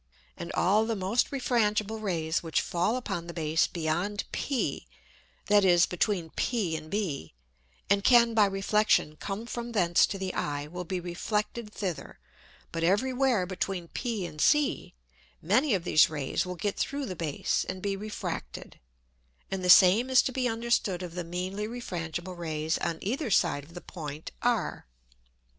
And all the most refrangible Rays which fall upon the Base beyond p, that is, between, p and B, and can by Reflexion come from thence to the Eye, will be reflected thither, but every where between p and c, many of these Rays will get through the Base, and be refracted; and the same is to be understood of the meanly refrangible Rays on either side of the Point r.